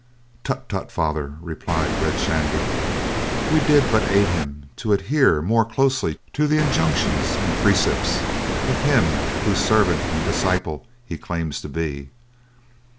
"Tut, tut, Father," replied Red Shandy. "We did but aid him to adhere more closely to the injunctions and precepts of Him whose servant and disciple he claims to be.